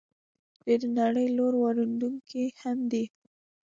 دوی د نړۍ لوی واردونکی هم دي.